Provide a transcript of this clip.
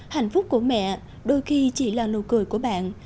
hạnh phúc của mẹ đôi khi chỉ là nụ cười của bạn